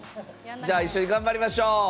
一緒に頑張りましょう。